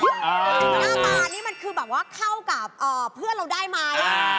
หน้าตานี่มันคือแบบว่าเข้ากับเพื่อนเราได้ไหม